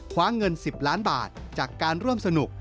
คว้าเงิน๑๐ล้านบาทจากการร่วมสนุก